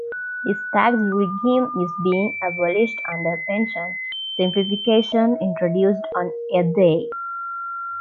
This tax regime is being abolished under pension simplification introduced on A-day.